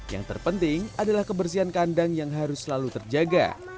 yang terpenting adalah kebersihan kandang yang harus selalu terjaga